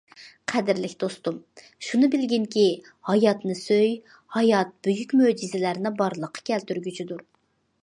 قەدىرلىك دوستۇم شۇنى بىلگىنكى، ھاياتنى سۆي، ھايات بۈيۈك مۆجىزىلەرنى بارلىققا كەلتۈرگۈچىدۇر.